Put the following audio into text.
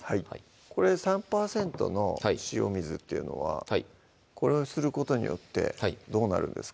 これ３％の塩水っていうのはこれをすることによってどうなるんですか？